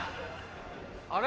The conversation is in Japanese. あれ？